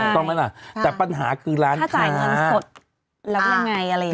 ต้องไหมล่ะแต่ปัญหาคือร้านถ้าจ่ายเงินสดแล้วยังไงอะไรอย่างนี้